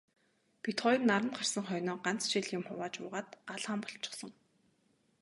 Бид хоёр наранд гарсан хойноо ганц шил юм хувааж уугаад гал хам болчихсон.